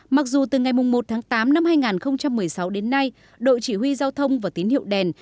mặc dù từ ngày một tháng tám năm hai nghìn một mươi sáu đến nay đội chỉ huy giao thông và tín hiệu đèn